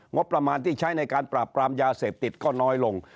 งบประมาณที่ใช้ในการปราบปรามยาเสพติดก็น้อยลง